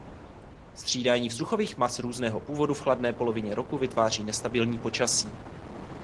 Střídání vzduchových mas různého původu v chladné polovině roku vytváří nestabilní počasí.